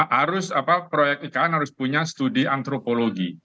harus proyek ikn harus punya studi antropologi